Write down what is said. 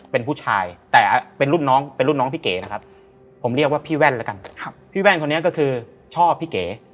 เป็นผู้ชายแต่เป็นรุ่นน้องเป็นรุ่นน้องพี่เก๋นะครับผมเรียกว่าพี่แว่นแล้วกันพี่แว่นคนนี้ก็คือชอบพี่เก๋